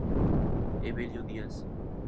Evelio Díaz.